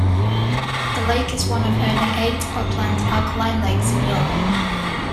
The lake is one of only eight upland alkaline lakes in Europe.